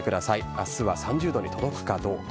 明日は３０度に届くかどうか。